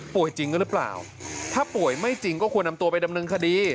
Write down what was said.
จริงหรือเปล่าถ้าป่วยไม่จริงก็ควรนำตัวไปดำเนินคดี